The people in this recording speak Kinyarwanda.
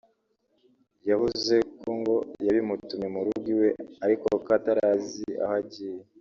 yavuze ko ngo yabimutumye mu rugo iwe ariko ko atarazi aho agiye